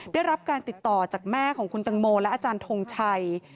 ได้รับการติดต่อจากแม่ของคุณตังโมและอาจารย์ทงชัย